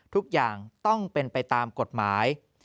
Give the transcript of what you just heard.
ทุกอย่างต้องเป็นไปตามกฎหมาย